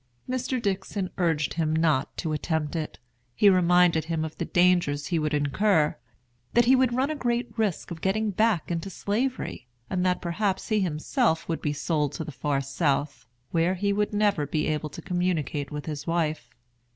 Mr. Dickson urged him not to attempt it. He reminded him of the dangers he would incur: that he would run a great risk of getting back into Slavery, and that perhaps he himself would be sold to the far South, where he never would be able to communicate with his wife.